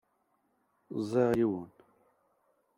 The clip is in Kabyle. Ẓẓiɣ yiwen.